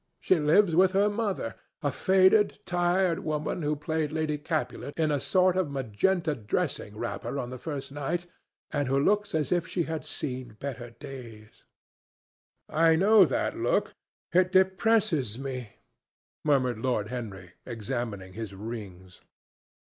She lives with her mother, a faded tired woman who played Lady Capulet in a sort of magenta dressing wrapper on the first night, and looks as if she had seen better days." "I know that look. It depresses me," murmured Lord Henry, examining his rings.